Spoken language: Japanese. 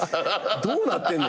どうなってんねん！？